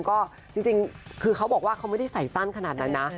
ก็จริงคือเขาบอกว่าเขาไม่ได้ใส่สั้นขนาดนั้นนะ